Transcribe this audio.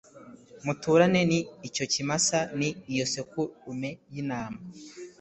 muturane n icyo kimasa n iyo sekurume y intama